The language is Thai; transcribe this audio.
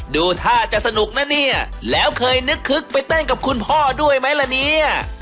ดูท่าจะสนุกนะเนี่ยแล้วเคยนึกคึกไปเต้นกับคุณพ่อด้วยไหมล่ะเนี่ย